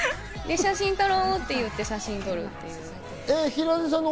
写真撮ろうって言って写真撮る。